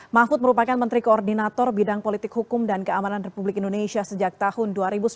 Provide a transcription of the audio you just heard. mahfud merupakan menteri koordinator bidang politik hukum dan keamanan republik indonesia sejak tahun dua ribu sembilan belas